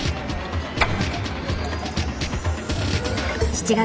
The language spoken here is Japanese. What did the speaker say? ７月。